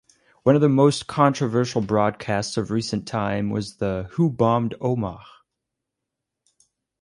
One of the most controversial broadcasts of recent time was the Who bombed Omagh?